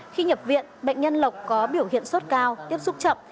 khi nhập viện bệnh nhân lộc có biểu hiện sốt cao tiếp xúc chậm